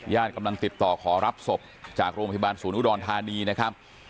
กำลังติดต่อขอรับศพจากโรงพยาบาลศูนย์อุดรธานีนะครับ